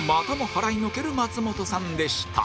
払いのける松本さんでした